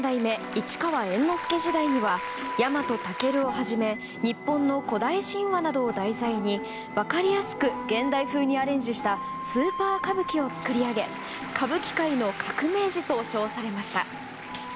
市川猿之助時代には「ヤマトタケル」をはじめ日本の古代神話などを題材に分かりやすく現代風にアレンジした「スーパー歌舞伎」を作り上げ歌舞伎界の革命児と称されました。